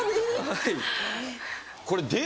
はい。